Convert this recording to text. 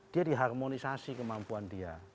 dia diharmonisasi kemampuan dia